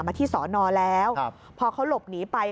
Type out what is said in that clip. มาที่สอนอแล้วพอเขาหลบหนีไป